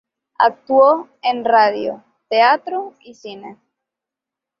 Actuó en radio, teatro y cine.